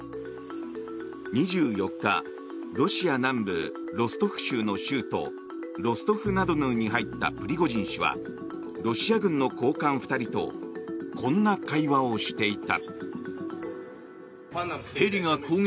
２４日ロシア南部ロストフ州の州都ロストフナドヌーに入ったプリゴジン氏はロシア軍の高官２人とこんな会話をしていた。